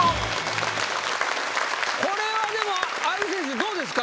これはでも青柳選手どうですか？